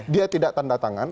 dia tidak tanda tangan